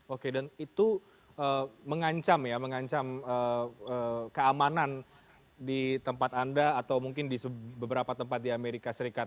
oke dan itu mengancam ya mengancam keamanan di tempat anda atau mungkin di beberapa tempat di amerika serikat